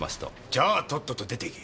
じゃあとっとと出て行け。